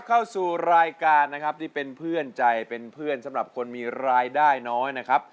เข้าสู่รายการนะครับที่เป็นเพื่อนใจเป็นเพื่อนสำหรับคนมีรายได้น้อยนะครับ